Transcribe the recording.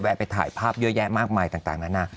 ไปถ่ายภาพเยอะแยะมากมายต่างนานา